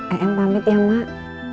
eem pamit ya mak